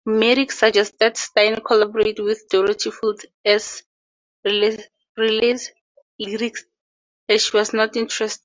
Merrick suggested Styne collaborate with Dorothy Fields as lyricist, but she was not interested.